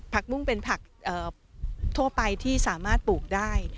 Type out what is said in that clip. มุ่งเป็นผักทั่วไปที่สามารถปลูกได้